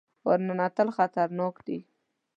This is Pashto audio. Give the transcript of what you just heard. ور ننوتل خطرناک دي.